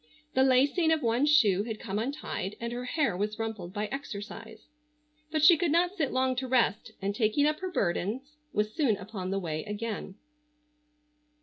The lacing of one shoe had come untied, and her hair was rumpled by exercise. But she could not sit long to rest, and taking up her burdens was soon upon the way again.